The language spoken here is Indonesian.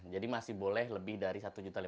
jadi masih boleh lebih dari satu lima ratus